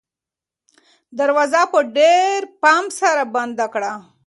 دروازه په ډېر پام سره بنده کړه.